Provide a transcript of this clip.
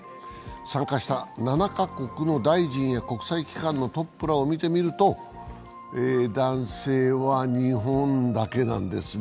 参加した７か国の大臣や国際機関のトップらを見てみると、男性は日本だけなんですね。